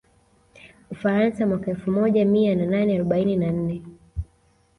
Ufaransa mwaka elfu moja mia nane arobaini na nne